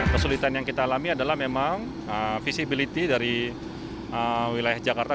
kesulitan yang kita alami adalah memang visibility dari wilayah jakarta